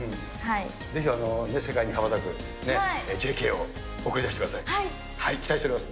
ぜひ世界に羽ばたくＪＫを送はい。期待しております。